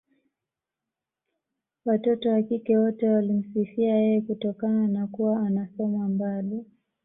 Watoto wa kike wote walimsifia yeye kutokana na kuwa anasoma mbali